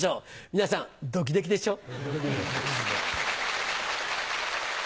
皆さんドキドキでしょう？